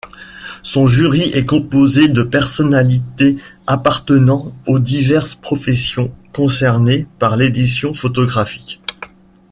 Son jury est composé de personnalités appartenant aux diverses professions concernées par l'édition photographique.